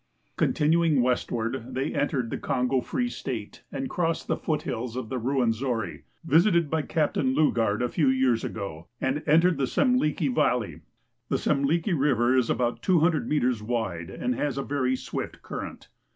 Continuing westward, they entered the Kongo Free State and crossed the foothills of the Ruwenzori, visited by Captain Lu gard a few years ago, and entered the Semliki valley. The Semliki river is about 200 meters wide and has a very swift current.